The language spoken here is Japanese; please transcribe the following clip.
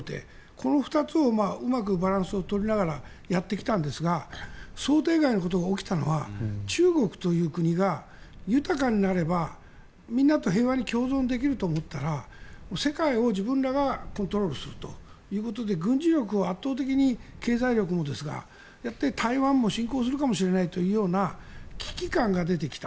この２つをうまくバランスを取りながらやってきたんですが想定外のことが起きたのは中国という国が豊かになれば、みんなと平和に共存できると思ったら世界を自分らがコントロールするということで軍事力を圧倒的に経済力もですが、そうやって台湾へも進攻するかもしれないという危機感も出てきた。